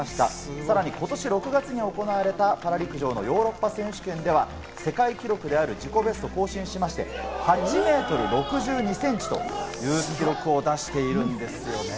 さらに今年６月に行われたパラ陸上のヨーロッパ選手権では世界記録である自己ベストを更新しまして８ｍ６２ｃｍという記録を出しているんです。